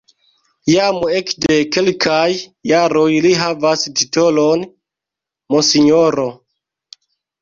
Jam ekde kelkaj jaroj li havas titolon "Monsinjoro".